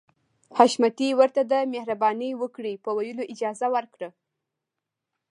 حشمتي ورته د مهرباني وکړئ په ويلو اجازه ورکړه.